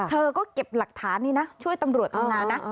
เธอก็เก็บหลักฐานนี้นะช่วยตำรวจทำงานนะ